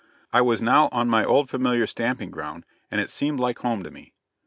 I was now on my old familiar stamping ground, and it seemed like home to me.